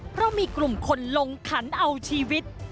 เพราะมีกลุ่มคนลงขันเอาชีวิต